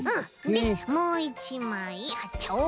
でもういちまいはっちゃおう。